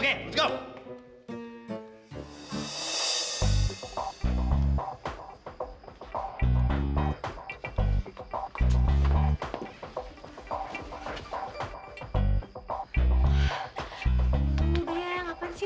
loh ini dia apaan sih